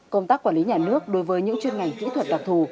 công tác quản lý nhà nước đối với những chuyên ngành kỹ thuật đặc thù